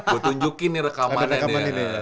gua tunjukin nih rekaman ini